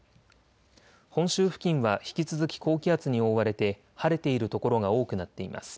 本州付近は引き続き高気圧に覆われて晴れている所が多くなっています。